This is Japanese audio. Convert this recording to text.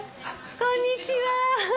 こんにちは！